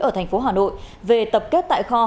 ở thành phố hà nội về tập kết tại kho